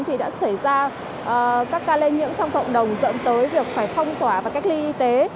thì đã xảy ra các ca lây nhiễm trong cộng đồng dẫn tới việc phải phong tỏa và cách ly y tế